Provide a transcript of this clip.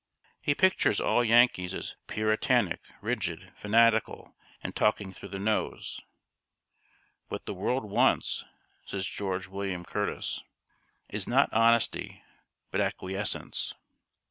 He pictures all Yankees as puritanic, rigid, fanatical, and talking through the nose. 'What the world wants,' says George William Curtis, 'is not honesty, but acquiescence.'